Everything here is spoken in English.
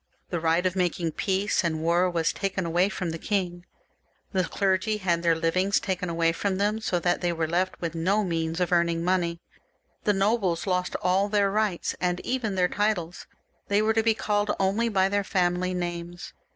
The right of making peace and war was taken away from the king ; the clergy had their livings taken away from them, so that they were left with no means of earning money ; the nobles lost all their rights, and even their titles ; they were to be called only by their family names.